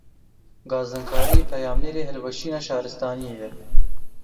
Gazinkarî, peyamnêrê hilweşîna şaristaniyê ye.